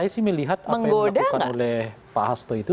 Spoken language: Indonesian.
saya sih melihat apa yang dilakukan oleh pak hasto itu